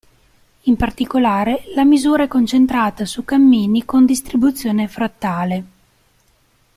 In particolare, la misura è concentrata su cammini con distribuzione frattale.